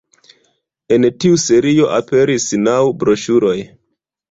En tiu serio aperis naŭ broŝuroj.